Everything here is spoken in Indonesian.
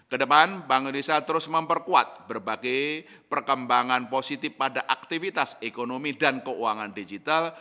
kedepan bank indonesia terus memperkuat berbagai perkembangan positif pada aktivitas ekonomi dan keuangan digital